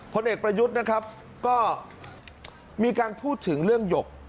ผลเอกประยุทธ์นะครับก็มีการพูดถึงเรื่องหยก